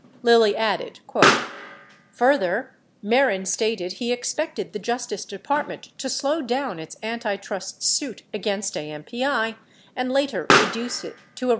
Lilly added: "Further, Mehren stated he expected the Justice Department to slow down its antitrust suit against AMPI and later reduce it to a wrist slap".